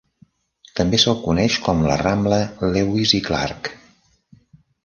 També s'el coneix com la rambla Lewis i Clark.